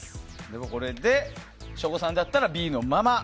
これで省吾さんだったらＢのまま。